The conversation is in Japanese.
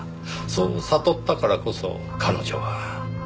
そう悟ったからこそ彼女は。